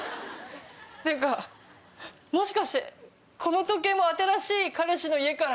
っていうかもしかしてこの時計新しい彼氏の家から。